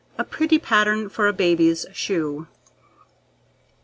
A Pretty Pattern for a Baby's Shoe.